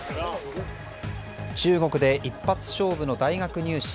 中国で一発勝負の大学入試